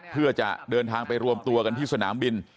เพื่อจะเดินทางไปรวมตัวกันที่สนามบิน